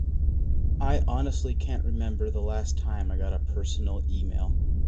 I honestly can't remember the last time I got a personal email.